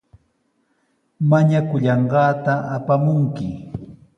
Mañakullanqaata apamunki.